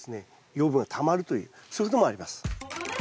養分がたまるというそういうこともあります。